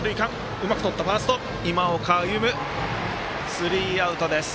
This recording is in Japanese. スリーアウトです。